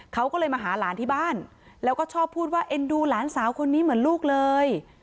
เขาก็เลยมาหาหลานที่บ้านแล้วก็ชอบพูดว่าเอ็นดูหลานสาวคนนี้เหมือนลูกเลย